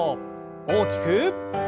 大きく。